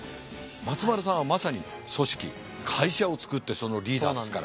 松丸さんはまさに組織会社を作ってそのリーダーですから。